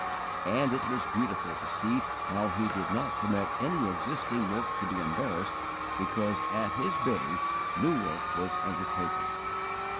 And it was beautiful to see how He did not permit any existing work to be embarrassed because at His bidding new work was Undertaken.